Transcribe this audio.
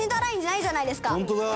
「本当だ！